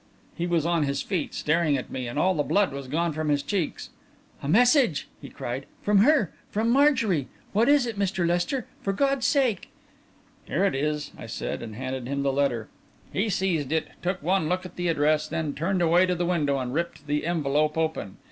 He was on his feet, staring at me, and all the blood was gone from his cheeks. "A message!" he cried. "From her! From Marjorie! What is it, Mr. Lester? For God's sake...." "Here it is," I said, and handed him the letter. He seized it, took one look at the address, then turned away to the window and ripped the envelope open.